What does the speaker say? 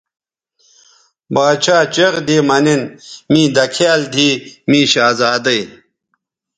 باڇھا چیغ دی مہ نِن می دکھیال دیھی می شہزادئ